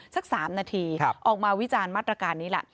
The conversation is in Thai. สัก๓นาทีออกมาวิจารณ์มาตรการนี้ล่ะ